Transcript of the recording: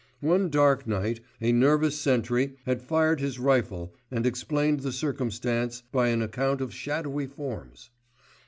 One dark night a nervous sentry had fired his rifle and explained the circumstance by an account of shadowy forms.